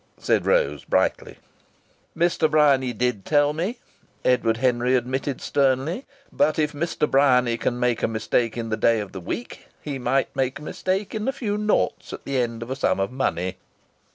said Rose, brightly. "Mr. Bryany did tell me," Edward Henry admitted sternly. "But if Mr. Bryany can make a mistake in the day of the week he might make a mistake in a few noughts at the end of a sum of money."